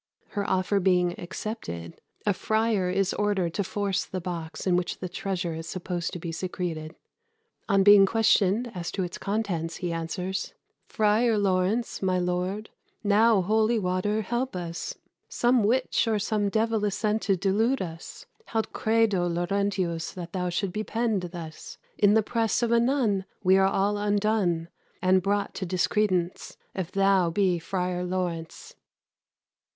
Her offer being accepted, a friar is ordered to force the box in which the treasure is supposed to be secreted. On being questioned as to its contents, he answers "Frier Laurence, my lord, now holy water help us! Some witch or some divell is sent to delude us: Haud credo Laurentius that thou shouldst be pen'd thus In the presse of a nun; we are all undone, And brought to discredence, if thou be Frier Laurence."